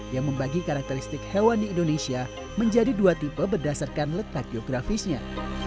yang membagi karakteristik hewan di indonesia menjadi dua tipe berdasarkan letak geografisnya